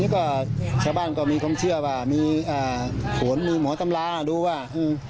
ก็ชาวบ้านก็มีความเชื่อว่ามีอ่าขนมีหมอตำราดูว่า